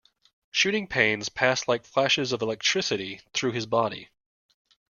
Shooting pains passed like flashes of electricity through his body.